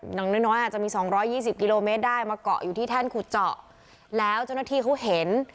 อย่างน้อยน้อยอาจจะมีสองร้อยยี่สิบกิโลเมตรได้มาเกาะอยู่ที่แท่นขุดเจาะแล้วเจ้าหน้าที่เขาเห็น